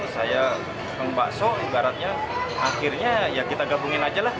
saya pengebakso garatnya akhirnya ya kita gabungin aja lah